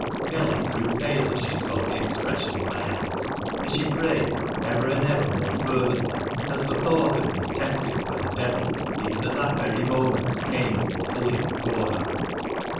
Nelly grew pale as she saw the expression in my eyes ; and she prayed ever and ever more fervently as the thought of me tempted by the Devil even at that very moment came more fully before her.